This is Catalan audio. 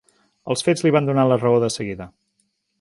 Els fets li van donar la raó de seguida.